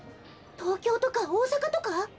東京とか大阪とか？